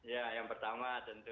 ya yang pertama tentu